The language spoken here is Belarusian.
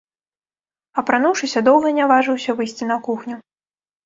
Апрануўшыся, доўга не важыўся выйсці на кухню.